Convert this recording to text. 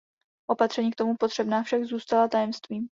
Opatření k tomu potřebná však zůstala tajemstvím.